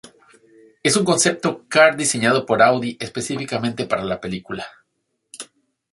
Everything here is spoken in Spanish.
Es un concept car diseñado por Audi específicamente para la película.